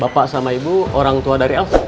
bapak sama ibu orang tua dari apa